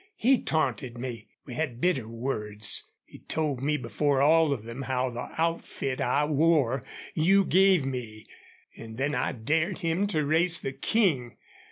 He taunted me. We had bitter words. He told before all of them how the outfit I wore you gave me. An' then I dared him to race the King.